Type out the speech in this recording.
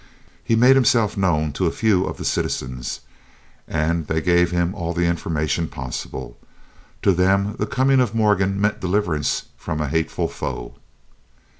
He made himself known to a few of the citizens, and they gave him all the information possible. To them the coming of Morgan meant deliverance from a hateful foe.